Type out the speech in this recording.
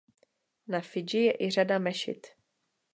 Na Fidži je i řada mešit.